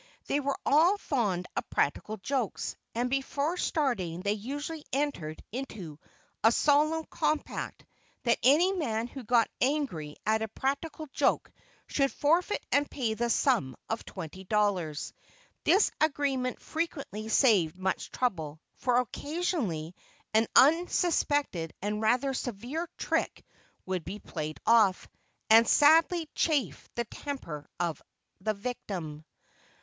They were all fond of practical jokes, and before starting they usually entered into a solemn compact, that any man who got angry at a practical joke should forfeit and pay the sum of twenty dollars. This agreement frequently saved much trouble; for occasionally an unexpected and rather severe trick would be played off, and sadly chafe the temper of the victim.